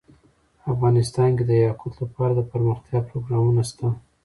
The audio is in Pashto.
افغانستان کې د یاقوت لپاره دپرمختیا پروګرامونه شته.